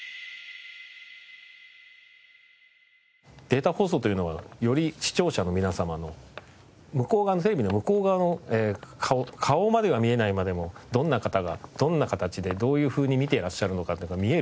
データ放送というのはより視聴者の皆様のテレビの向こう側の顔までは見えないまでもどんな方がどんな形でどういうふうに見てらっしゃるのかとか見える